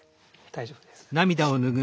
大丈夫です。